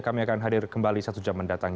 kami akan hadir kembali satu jam mendatang